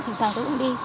thỉnh thoảng tôi cũng đi